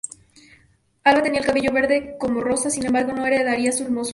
Alba tenía el cabello verde como Rosa, sin embargo no heredaría su hermosura.